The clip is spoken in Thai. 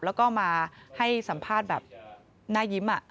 แล้วก็มาให้สัมภาษณ์แบบหน้ายิ้ม